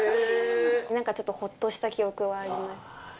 なんかちょっとほっとした記憶はあります。